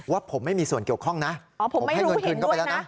ว่าผมไม่มีส่วนเกี่ยวข้องนะผมให้เงินคืนเข้าไปแล้วนะ